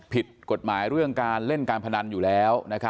ผิดกฎหมายเรื่องการเล่นการพนันอยู่แล้ว